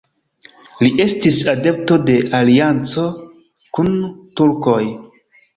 Li estis adepto de alianco kun turkoj.